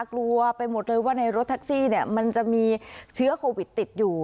กลัวไปหมดเลยว่าในรถแท็กซี่มันจะมีเชื้อโควิดติดอยู่